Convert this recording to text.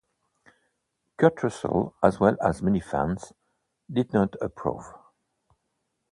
Kurt Russell, as well as many fans, did not approve.